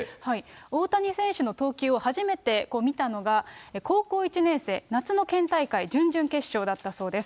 大谷選手の投球を初めて見たのが高校１年生、夏の県大会準々決勝だったそうです。